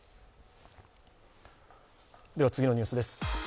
次のニュースです。